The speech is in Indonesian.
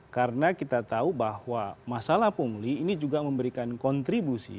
karena kita tahu bahwa masalah pungli ini juga memberikan kontribusi